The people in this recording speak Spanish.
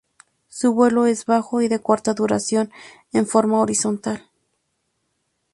Su vuelo es bajo y de corta duración, en forma horizontal.